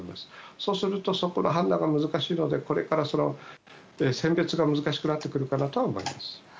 そうすると、そこの判断が難しいので選別が難しくなってくるかなと思います。